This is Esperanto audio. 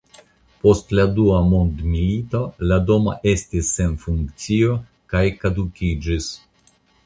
Post la Dua mondmilito la domo estis sen funkcio kaj kadukiĝis.